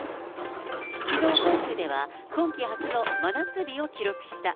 きのう、本州では今季初の真夏日を記録した。